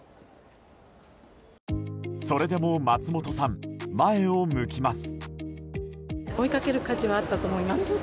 それでも松本さん、前を向きます。